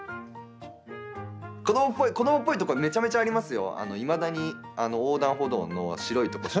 子どもっぽいとこめちゃめちゃありますよ。